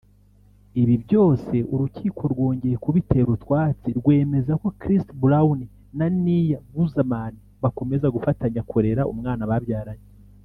Ibi byose urukiko rwongeye kubitera utwatsi rwemeza ko Chris Brown na Nia Guzman bakomeza gufatanya kurera umwana babyaranye